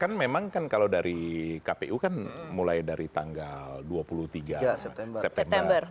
kan memang kan kalau dari kpu kan mulai dari tanggal dua puluh tiga september